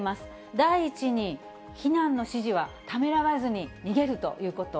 第１に、避難の指示はためらわずに逃げるということ。